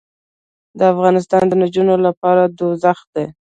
دافغانستان د نجونو لپاره دوزخ دې